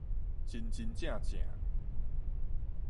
真真正正